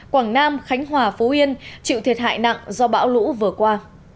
quảng nam khánh hòa phú yên chịu thiệt hại nặng do bão lũ vừa qua